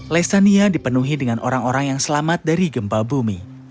lesania dipenuhi dengan orang orang yang selamat dari gempa bumi